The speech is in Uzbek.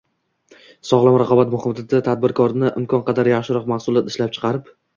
Sog‘lom raqobat muhiti tadbirkorlarni imkon qadar yaxshiroq mahsulot ishlab chiqarib